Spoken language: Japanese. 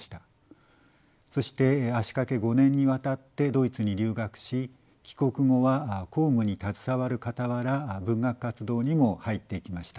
そして足かけ５年にわたってドイツに留学し帰国後は公務に携わるかたわら文学活動にも入っていきました。